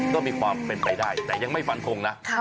ก็มีความเป็นไปได้แต่ยังไม่ฟันทงนะ